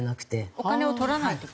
お金を取らないって事？